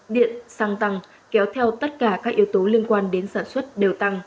điện xăng tăng kéo theo tất cả các yếu tố liên quan đến sản xuất đều tăng